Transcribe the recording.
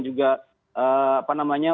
juga apa namanya